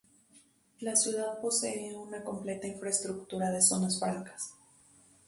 La ciudad posee una completa infraestructura de zonas francas.